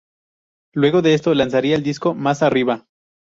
Luego de esto lanzaría el disco "Más arriba".